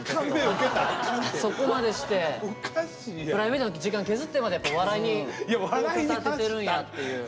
そこまでしてプライベートの時間削ってまで笑いに昇華させるんやっていう。